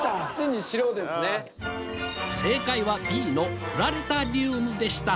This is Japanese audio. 正解は「Ｂ」のプラネタリウムでした。